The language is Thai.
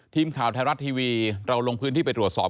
ทีมข่าวไทยรัฐทีวีเราลงพื้นที่ไปตรวจสอบ